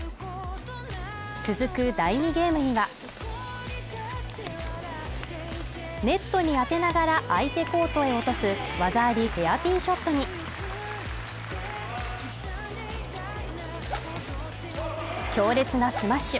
続く第２ゲームにはネットに当てながら相手コートへ落とす技あり・ヘアピンショットに強烈なスマッシュ。